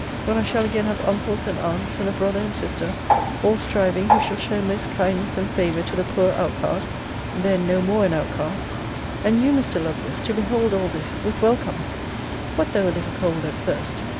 When I shall again have uncles and aunts, and a brother and sister, all striving who shall show most kindness and favour to the poor outcast, then no more an outcast And you, Mr. Lovelace, to behold all this, with welcome What though a little cold at first?